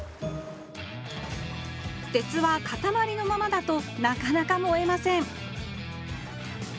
鉄はかたまりのままだとなかなか燃えません